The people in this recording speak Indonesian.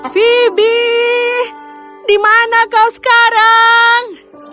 phibie di mana kau sekarang